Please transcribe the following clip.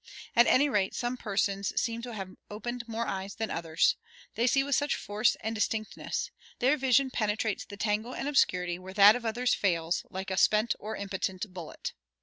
At any rate some persons seem to have opened more eyes than others, they see with such force and distinctness; their vision penetrates the tangle and obscurity where that of others fails like a spent or impotent bullet.